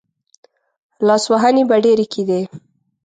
لاسوهنې به ډېرې کېدې.